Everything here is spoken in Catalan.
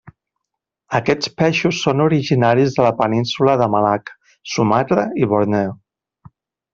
Aquests peixos són originaris de la Península de Malacca, Sumatra i Borneo.